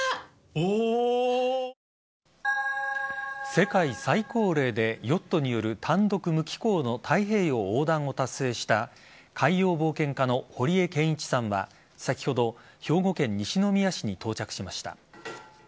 世界最高齢でヨットによる単独無寄港の太平洋横断を達成した海洋冒険家の堀江謙一さんは先ほど兵庫県西宮市に到着しました。